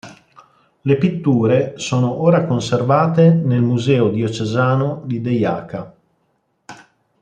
Le pitture sono ora conservate nel Museo Diocesano de Jaca.